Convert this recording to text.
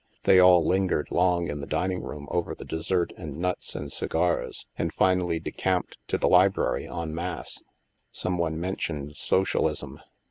They all lingered long in the dining room over the dessert and nuts and cigars, and finally decamped to the library en masse. Some one mentioned socialism.